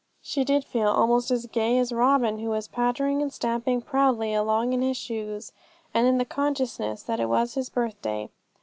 She did feel almost as gay as Robin who was pattering and stamping proudly along in his shoes, and in the consciousness that it was his birthday.